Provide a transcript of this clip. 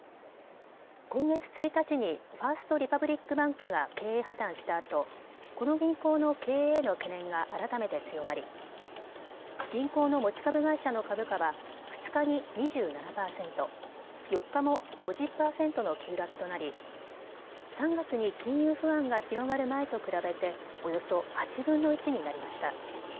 今月１日にファースト・リパブリック・バンクが経営破綻したあと、この銀行の経営への懸念が改めて強まり銀行の持ち株会社の株価は２日に２７％、４日も５０％の急落となり３月に金融不安が広がる前と比べておよそ８分の１になりました。